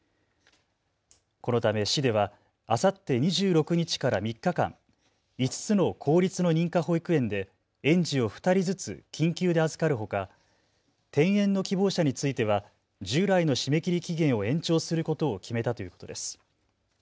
このため市ではあさって２６日から３日間、５つの公立の認可保育園で園児を２人ずつ緊急で預かるほか転園の希望者については従来の締め切り期限を延長することを決めたということです。